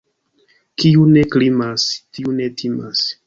Kiu ne krimas, tiu ne timas.